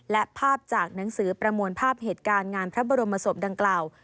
และภาพจากหนังสือประมวลภาพเหตุการณ์งานพระบรมศพดังกล่าว